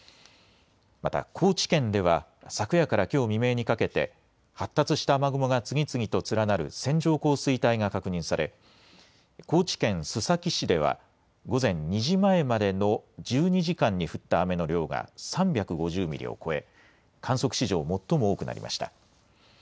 また、高知県では昨夜からきょう未明にかけて発達した雨雲が次々と連なる線状降水帯が確認され高知県須崎市では午前２時前までの１２時間に降った雨の量が３５０ミリを超え観測史上最も多くなりました。